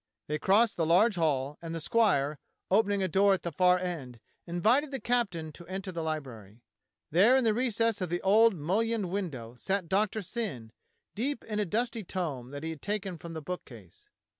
They crossed the large hall, and the squire, opening a door at the far end, invited the captain to enter the library. There in the recess of the old mullioned window sat Doctor Syn, deep in a dusty tome that he had taken from the bookcase.